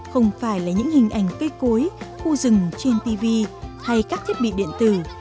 không phải là những hình ảnh cây cối khu rừng trên tv hay các thiết bị điện tử